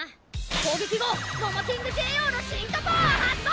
攻撃後モモキングＪＯのシンカパワー発動！